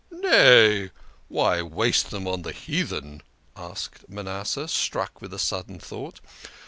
" Nay, why waste them on the heathen?" asked Manas seh, struck with a sudden thought.